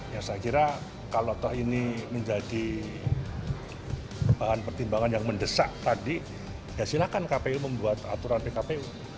ya saya kira kalau toh ini menjadi bahan pertimbangan yang mendesak tadi ya silakan kpu membuat aturan pkpu